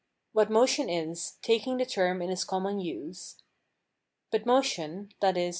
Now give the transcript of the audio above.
What motion is, taking the term in its common use. But motion (viz.